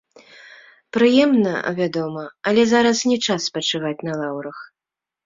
Прыемна, вядома, але зараз не час спачываць на лаўрах.